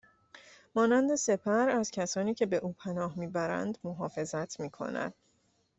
مانند سپر ازکسانی که به او پناه میبرند محافظت میکند